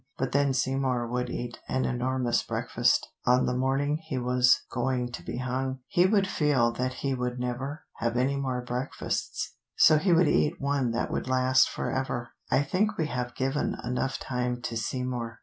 But then Seymour would eat an enormous breakfast on the morning he was going to be hung. He would feel that he would never have any more breakfasts, so he would eat one that would last forever. I think we have given enough time to Seymour.